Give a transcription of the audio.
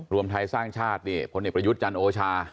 รวมไทยสร้างชาตินี่พลเอกประยุทธ์จันทร์โอชา